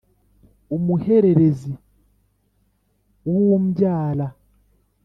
Umuhererezi w'umbyara